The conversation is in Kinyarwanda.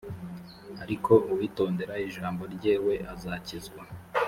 ariko uwitondera ijambo rye we azakizwa